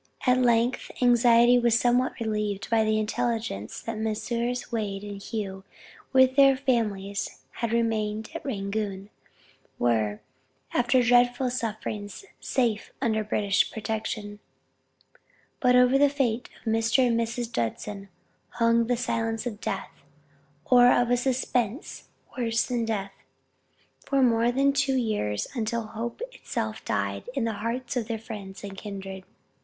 At length anxiety was somewhat relieved by the intelligence that Messrs. Wade and Hough with their families, who had remained at Rangoon, were, after dreadful sufferings, safe under British protection. But over the fate of Mr. and Mrs. Judson hung the silence of death, or of a suspense worse than death, for more than two years, until hope itself died in the hearts of their friends and kindred.